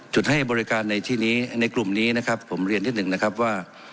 ให้บริการในที่นี้ในกลุ่มนี้นะครับผมเรียนนิดหนึ่งนะครับว่า